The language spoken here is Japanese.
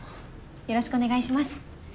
よろしくお願いします。